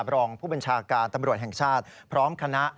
รองผู้บัญชาการตำรวจแห่งชาติพร้อมคณะ